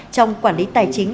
trong quản lý tài chính